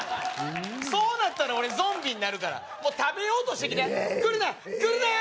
そうなったら俺ゾンビになるからもう食べようとしてきて来るな来るなー！